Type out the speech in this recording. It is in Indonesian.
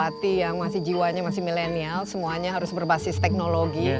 bupati yang masih jiwanya masih milenial semuanya harus berbasis teknologi